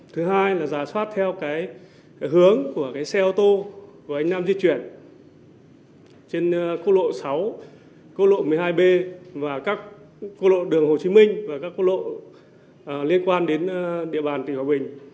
thứ hai là giả soát theo hướng của xe ô tô của anh nam di chuyển trên cô lộ sáu cô lộ một mươi hai b và các cô lộ đường hồ chí minh và các cô lộ liên quan đến địa bàn tỉnh hòa bình